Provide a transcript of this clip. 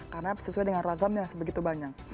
karena sesuai dengan ragamnya masih begitu banyak